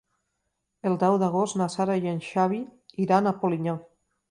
El deu d'agost na Sara i en Xavi iran a Polinyà.